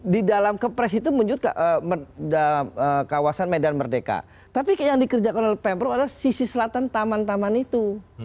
di dalam kepres itu muncul dalam kawasan medan merdeka tapi yang dikerjakan oleh pemprov adalah sisi selatan taman taman itu